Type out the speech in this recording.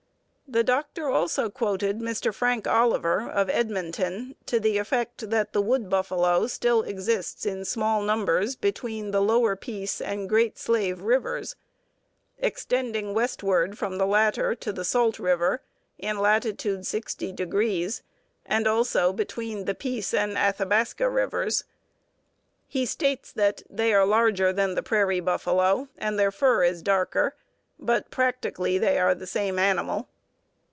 "The doctor also quoted Mr. Frank Oliver, of Edmonton, to the effect that the wood buffalo still exists in small numbers between the Lower Peace and Great Slave Rivers, extending westward from the latter to the Salt River in latitude 60 degrees, and also between the Peace and Athabasca Rivers. He states that 'they are larger than the prairie buffalo, and the fur is darker, but practically they are the same animal.'